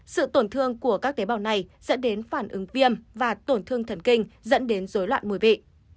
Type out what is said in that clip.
sự tổn thương của các tế bào này dẫn đến phản ứng viêm và tổn thương thần kinh dẫn đến dối loạn mùi vị